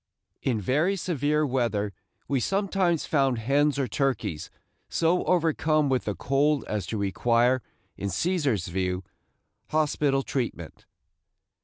In very severe weather we sometimes found hens or turkeys so overcome with the cold as to require, in Cæsar's view, hospital treatment.